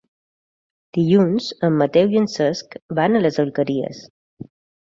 Dilluns en Mateu i en Cesc van a les Alqueries.